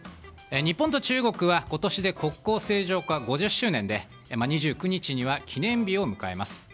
日本と中国は今年で国交正常化５０周年で２９日には記念日を迎えます。